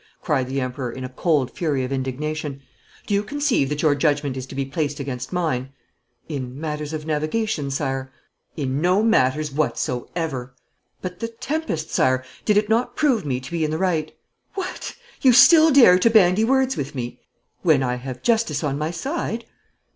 cried the Emperor, in a cold fury of indignation. 'Do you conceive that your judgment is to be placed against mine?' 'In matters of navigation, Sire.' 'In no matters whatsoever.' 'But the tempest, Sire! Did it not prove me to be in the right?' 'What! You still dare to bandy words with me?' 'When I have justice on my side.'